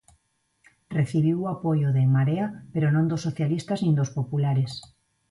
Recibiu o apoio de En Marea, pero non dos socialistas nin dos populares.